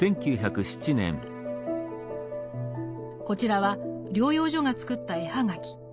こちらは療養所が作った絵葉書。